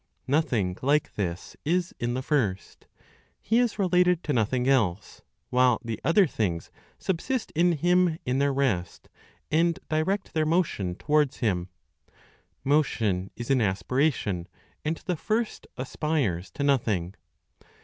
Nothing like this is in the First. He is related to nothing else, while the other things subsist in Him in their rest, and direct their motion towards Him. Motion is an aspiration, and the First aspires to nothing.